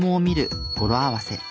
語呂合わせ。